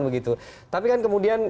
begitu tapi kan kemudian